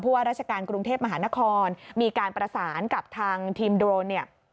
ว่าราชการกรุงเทพมหานครมีการประสานกับทางทีมโดรนเนี่ย